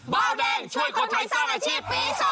บ้าวเด็กช่วยคนไทยสร้างอาชีพปีสอง